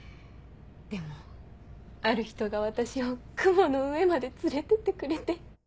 でもある人が私を雲の上まで連れてってくれて。